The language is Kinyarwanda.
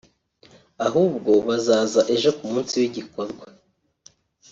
ahubwo bazaza ejo ku munsi w’igikorwa